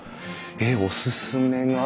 えっおすすめが。